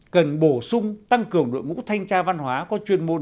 cần bổ sung tăng cường đội ngũ thanh tra văn hóa có chuyên môn